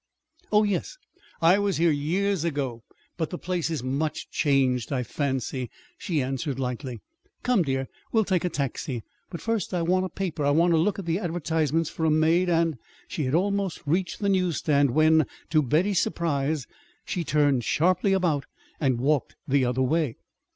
"Oh, yes, I was here years ago. But the place is much changed, I fancy," she answered lightly. "Come, dear, we'll take a taxi. But first I want a paper. I want to look at the advertisements for a maid, and " She had almost reached the newsstand when, to Betty's surprise, she turned sharply about and walked the other way.